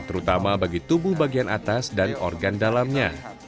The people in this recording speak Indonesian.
terutama bagi tubuh bagian atas dan organ dalamnya